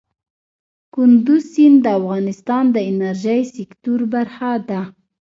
کندز سیند د افغانستان د انرژۍ سکتور برخه ده.